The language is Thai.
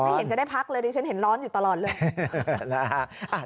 เห็นจะได้พักเลยดิฉันเห็นร้อนอยู่ตลอดเลย